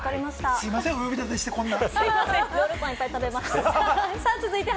すみません、お呼び立てして、こんな。